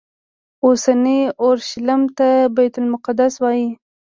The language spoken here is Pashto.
اوسني اورشلیم ته بیت المقدس وایي.